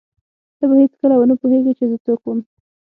ته به هېڅکله ونه پوهېږې چې زه څوک وم.